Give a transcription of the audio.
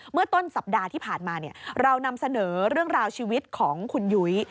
เมื่อต้นสัปดาห์ที่ผ่านมาเรานำเสนอเรื่องราวชีวิตของคุณยุ้ย